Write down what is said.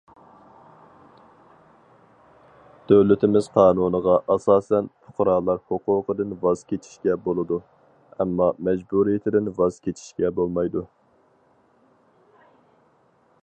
دۆلىتىمىز قانۇنىغا ئاساسەن پۇقرالار ھوقۇقىدىن ۋاز كېچىشكە بولىدۇ، ئەمما مەجبۇرىيىتىدىن ۋاز كېچىشكە بولمايدۇ.